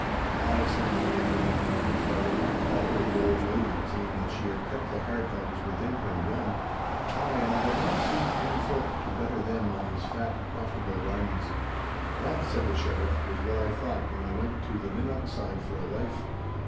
'Ay,' said my Lady Agnew, for I will not call her the old lady, seeing that she had kept the heart that was within her young, 'ay, and I have not seen any folk to better them on these fat, profitable Rhynns.' 'That,' said the Sheriff, 'was what I thought when I went to the Minnoch side for a wife.